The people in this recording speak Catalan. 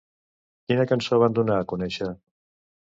Quina cançó van donar a conèixer?